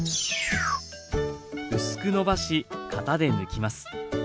薄くのばし型で抜きます。